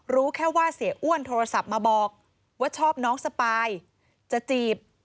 รู้แค่ว่าเสียอ้วนโทรศัพท์มาบอกว่าชอบน้องสปายจะจีบ